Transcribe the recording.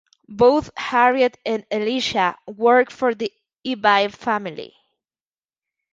Both Harriet and Elisha worked for the Eby family.